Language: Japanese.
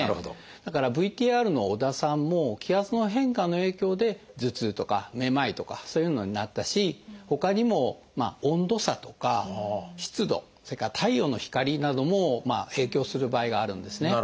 だからＶＴＲの織田さんも気圧の変化の影響で頭痛とかめまいとかそういうのになったしほかにも温度差とか湿度それから太陽の光なども影響する場合があるんですね。